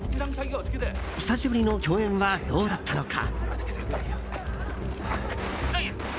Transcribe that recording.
久しぶりの共演はどうだったのか？